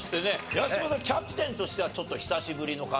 八嶋さんキャプテンとしてはちょっと久しぶりの感じですかね。